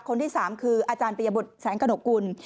คนที่๓คืออาจารย์ปริยบทแสงกระหนกกุล